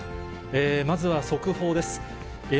まずは速報です。